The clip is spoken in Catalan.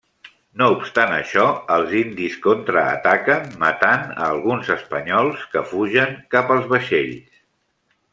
No obstant això, els indis contraataquen matant a alguns espanyols, que fugen cap als vaixells.